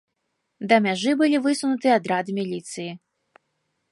Да мяжы былі высунуты атрады міліцыі.